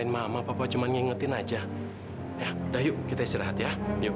sampai jumpa di video selanjutnya